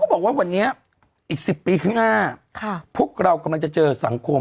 เขาก็บอกว่าวันนี้อีกสิบปีครึ่งห้าค่ะพวกเรากำลังจะเจอสังคม